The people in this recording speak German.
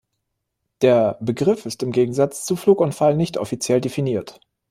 Der Begriff ist im Gegensatz zu "Flugunfall" nicht offiziell definiert.